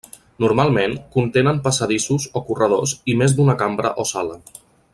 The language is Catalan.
Normalment, contenen passadissos o corredors i més d'una cambra o sala.